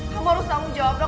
kamu harus tanggung jawab dong